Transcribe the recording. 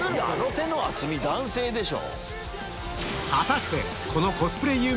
手の厚み男性でしょ。